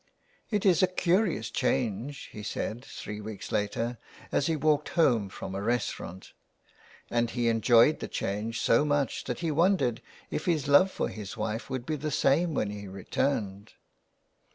" It is a curious change," he said, three weeks 332 THE WILD GOOSE. later, as he walked home from a restaurant ; and he enjoyed the change so much that he wondered if his love for his wife would be the same when he returned.